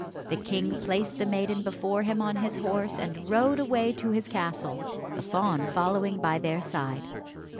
The king placed the maiden before him on his horse and rode away to his castle, the fawn following by their side.